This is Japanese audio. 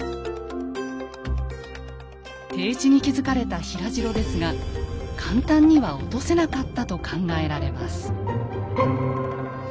低地に築かれた平城ですが簡単には落とせなかったと考えられます。